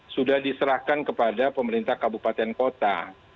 sudah diserahkan kepada pemerintah kabupaten kota